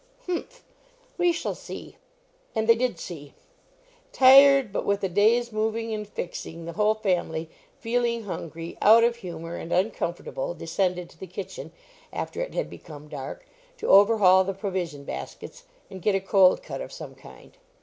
"Humph! We shall see." And they did see. Tired but with a day's moving and fixing, the whole family, feeling hungry, out of humour, and uncomfortable, descended to the kitchen, after it had become dark, to overhaul the provision baskets, and get a cold cut of some kind.